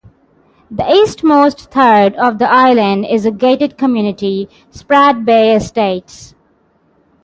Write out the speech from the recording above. The eastmost third of the island is a gated community, Sprat Bay Estates.